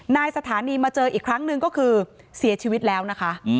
สถานีมาเจออีกครั้งหนึ่งก็คือเสียชีวิตแล้วนะคะ